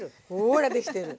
ほらできてる。